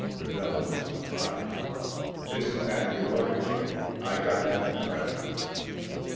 Redell looked surprised. "Isn't that your idea? I got that impression."